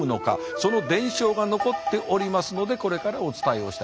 その伝承が残っておりますのでこれからお伝えをしたい。